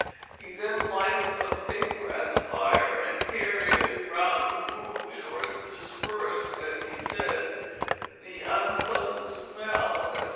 He then lighted some paper at the fire, and carried it around the room in order to disperse, as he said, the unpleasant smell," etc.